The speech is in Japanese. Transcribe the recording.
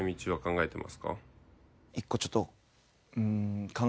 １個ちょっと。